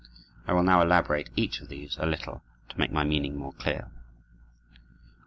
I will now elaborate each of these a little, to make my meaning more clear.